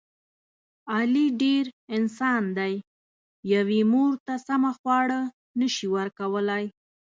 علي ډېر..... انسان دی. یوې مور ته سمه خواړه نشي ورکولی.